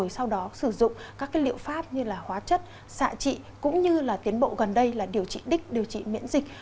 sau đó sử dụng các liệu pháp như là hóa chất xạ trị cũng như tiến bộ gần đây là điều trị đích điều trị miễn dịch